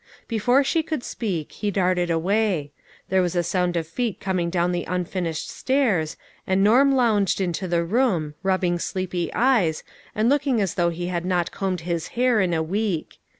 Before she could speak, he darted away. There was a sound of feet coming down the un finished stairs, and Norm lounged into the room, rubbing sleepy eyes, and looking as though he had not combed his hair in a week.